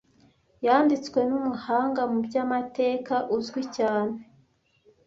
yanditswe n'umuhanga mu by'amateka uzwi cyane